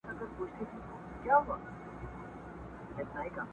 يوسف عليه السلام بايد د خپل پلار او کورنۍ سره وای.